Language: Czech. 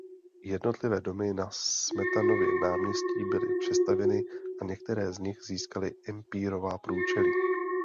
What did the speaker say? Jednotlivé domy na Smetanově náměstí byly přestavěny a některé z nich získaly empírová průčelí.